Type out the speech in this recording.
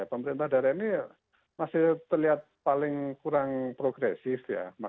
pemerintah daerah ini masih terlihat paling kurang progresif ya